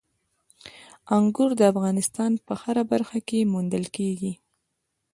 انګور د افغانستان په هره برخه کې موندل کېږي.